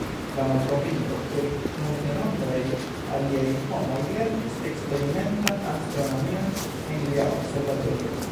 La malkovrinto, kiel multenombraj aliaj homoj, lernis eksperimentan astronomion en lia observatorio.